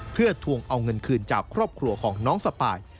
เพื่อทวงเอาเงินคืนจากครอบครัวของน้องสปาย